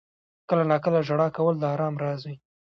• کله ناکله ژړا کول د آرام راز وي.